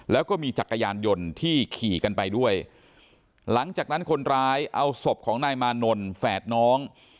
แล้วก็มีจักรยานยนต์ที่ขี่กันไปด้วยหลังจากนั้นคนร้ายเอาศพของนายมานนท์แฝดน้อง